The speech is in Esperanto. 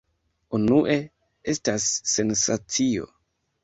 Unue estas sensacio.